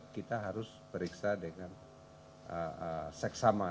kita harus periksa dengan seksama